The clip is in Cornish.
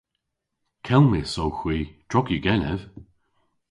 Kelmys owgh hwi, drog yw genev.